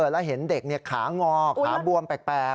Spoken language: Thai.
แล้วเห็นเด็กขางอขาบวมแปลก